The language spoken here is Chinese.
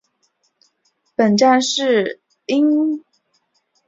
本站是因应仙石线于仙台市内地下化工程而设立的新建车站。